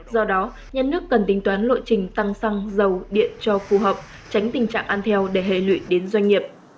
do đó nhà nước cần tính toán lộ trình tăng xăng dầu điện cho phù hợp tránh tình trạng an theo để hệ lụy đến doanh nghiệp